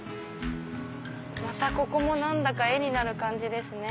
またここも何だか絵になる感じですね。